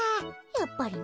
やっぱりね。